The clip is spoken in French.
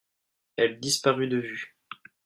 elle disparut de vue.